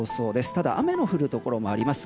ただ雨の降るところもあります。